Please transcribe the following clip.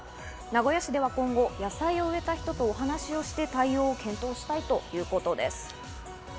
名古屋市では今後、野菜を植えた人とお話をして、対応を検討したいということです。